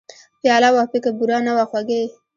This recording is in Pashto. پیاله وه پکې بوره نه وه خوږې !